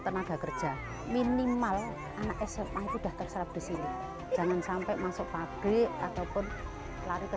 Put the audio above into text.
tenaga kerja minimal anak sma sudah terserap di sini jangan sampai masuk pabrik ataupun lari ke